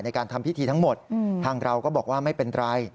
ทำพิธีทั้งหมดทางเราก็บอกว่าไม่เป็นไร